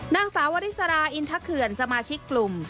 นางสาววริสราอินทะเขื่อนสมาชิกกลุ่ม